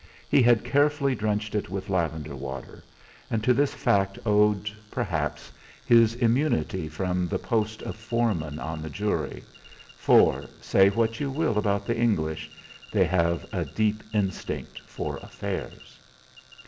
He had carefully drenched it with lavender water, and to this fact owed, perhaps, his immunity from the post of foreman on the jury for, say what you will about the English, they have a deep instinct for affairs.